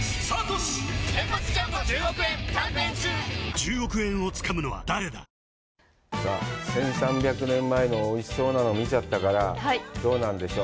１３００年前のおいしそうなの見ちゃったから、どうなんでしょう。